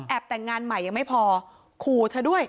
แต่งงานใหม่ยังไม่พอขู่เธอด้วย